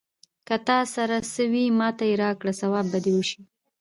که تا سره څه وي، ماته يې راکړه ثواب به دې وشي.